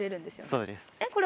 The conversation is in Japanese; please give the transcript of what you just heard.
そうです。